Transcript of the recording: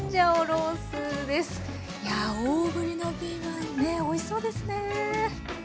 いや大ぶりのピーマンねっおいしそうですね。